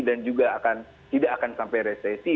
dan juga tidak akan sampai resesi